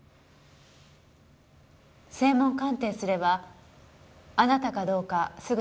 声紋鑑定すればあなたかどうかすぐにわかります。